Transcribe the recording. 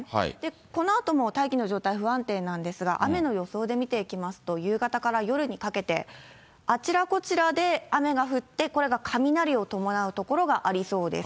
このあとも大気の状態不安定なんですが、雨の予想で見ていきますと、夕方から夜にかけて、あちらこちらで雨が降って、これが雷を伴う所がありそうです。